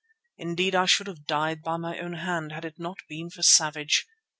Indeed I should have died by my own hand, had it not been for Savage.